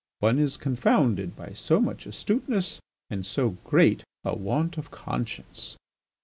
One is confounded by so much astuteness and so great a want of conscience."